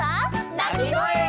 なきごえ！